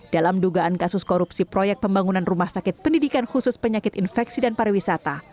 dalam dugaan kasus korupsi proyek pembangunan rumah sakit pendidikan khusus penyakit infeksi dan pariwisata